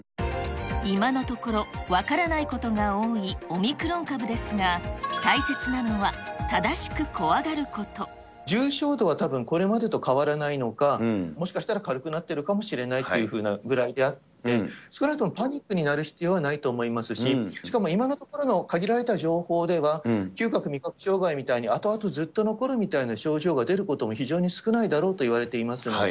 今のところ、分からないことが多いオミクロン株ですが、大切なのは、正しく怖重症度はたぶんこれまでと変わらないのか、もしかしたら軽くなっているかもしれないというふうなぐらいであって、少なくともパニックになる必要はないと思いますし、しかも今のところの限られた情報では、嗅覚味覚障害みたいな、あとあとずっと残るみたいな症状が出ることも非常に少ないだろうといわれていますので。